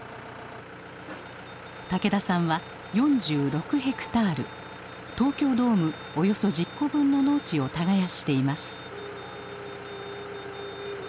武田さんは４６ヘクタール東京ドームおよそ１０個分の農地を耕しています。